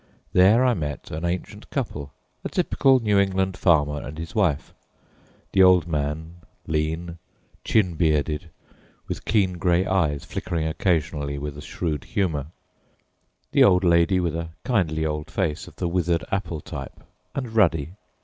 There I met an ancient couple, a typical New England farmer and his wife; the old man, lean, chin bearded, with keen gray eyes flickering occasionally with a shrewd humor, the old lady with a kindly old face of the withered apple type and ruddy.